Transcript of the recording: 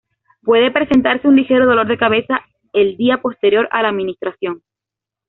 Puede presentarse un ligero dolor de cabeza el día posterior a la administración.